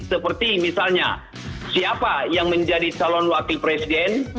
seperti misalnya siapa yang menjadi calon wakil presiden